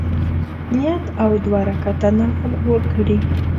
نیت او دوه رکعته نفل وکړي.